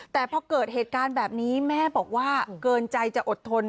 แต่พอเกิดเหตุการณ์แบบนี้แม่บอกว่าเกินใจจะอดทน